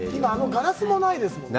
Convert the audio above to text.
ガラスが今ないですもんね。